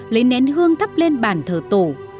lấy nén hương thắp lên bàn thờ tổ